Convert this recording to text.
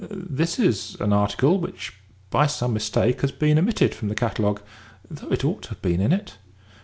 This is an article which by some mistake has been omitted from the catalogue, though it ought to have been in it.